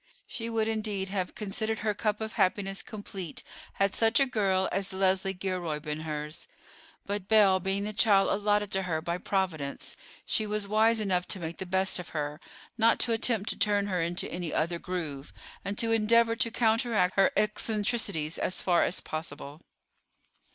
She would indeed have considered her cup of happiness complete had such a girl as Leslie Gilroy been hers; but Belle being the child allotted to her by Providence, she was wise enough to make the best of her, not to attempt to turn her into any other groove, and to endeavor to counteract her eccentricities as far as possible.